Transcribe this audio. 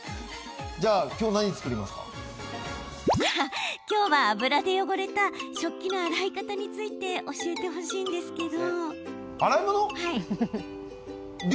あ、今日は油で汚れた食器の洗い方について教えてほしいんですけど。